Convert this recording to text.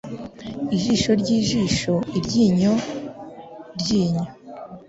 Ijisho ryijisho, iryinyo ryinyo.